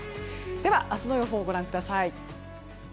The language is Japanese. では、明日の予報をご覧ください。